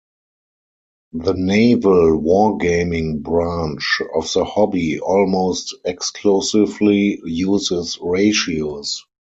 The naval wargaming branch of the hobby almost exclusively uses ratios.